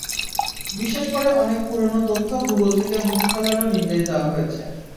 বিশেষ করে অনেক পুরোনো তথ্য গুগল থেকে মুছে ফেলারও নির্দেশ দেওয়া হয়েছে।